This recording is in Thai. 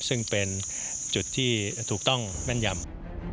ซึ่งเป็นจุดที่ถูกต้องแม่นยำ